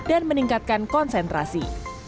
dan meningkatkan konsentrasi